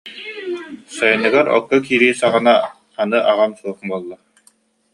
Сайыныгар, окко киирии саҕана, аны аҕам суох буолла